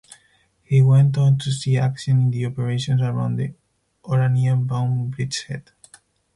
He went on to see action in the operations around the Oranienbaum Bridgehead.